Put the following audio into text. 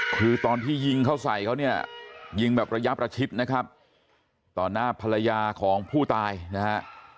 คือตอนที่ยิงเขาใส่เขาเนี่ยยิงแบบระยะประชิดนะครับต่อหน้าภรรยาของผู้ตายนะฮะ